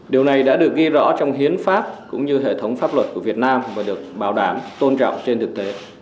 điều này đã được ghi rõ trong hiến pháp cũng như hệ thống pháp luật của việt nam và được bảo đảm tôn trọng trên thực tế